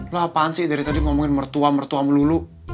lu apaan sih dari tadi ngomongin mertua mertua melulu